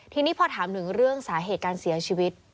ทีนี้พอถามถึงเรื่องสาเหตุการเสียชีวิต